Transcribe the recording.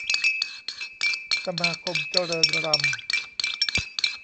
สมาคมเจริญรัมย์